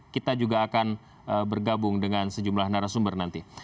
kita juga akan bergabung dengan sejumlah narasumber nanti